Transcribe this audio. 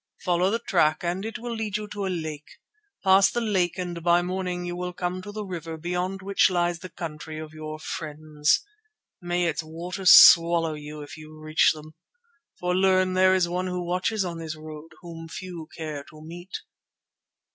Follow the track and it will lead you to a lake. Pass the lake and by morning you will come to the river beyond which lies the country of your friends. May its waters swallow you if you reach them. For learn, there is one who watches on this road whom few care to meet."